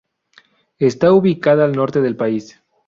Está ubicada al norte del país.